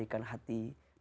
tetapkan hatiku di atasmu